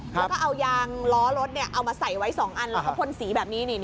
แล้วก็เอายางล้อรถเอามาใส่ไว้๒อันแล้วก็พ่นสีแบบนี้